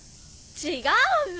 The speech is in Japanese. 違う！